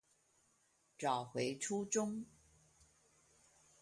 找回初衷